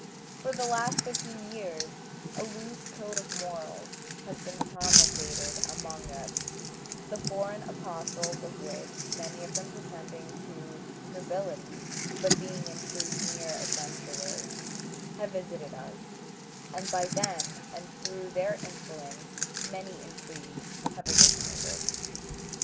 For the last fifteen years a loose code of morals has been promulgated among us, the foreign apostles of which many of them pretending to nobility, but being in truth mere adventurers have visited us, and by them and through their influence many intrigues have originated.